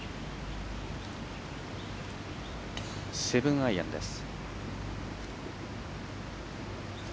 ７アイアンです。